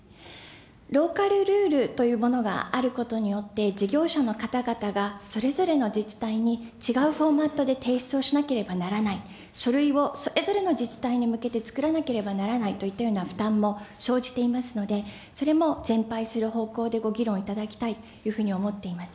ローカルルールというものがあることによって、事業者の方々がそれぞれの自治体に違うフォーマットで提出をしなければならない、書類をそれぞれの自治体に向けて作らなければならないといったような負担も生じていますので、それも全廃する方向でご議論いただきたいというふうに思っています。